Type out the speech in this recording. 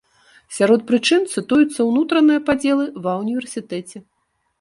Сярод прычын цытуюцца ўнутраныя падзелы ва ўніверсітэце.